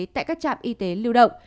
tại các trạm y tế lưu động